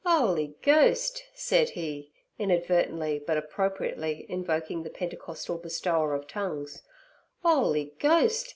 "Oly Ghost!' said he, inadvertently but appropriately invoking the Pentecostal Bestower of tongues—"'Oly Ghost!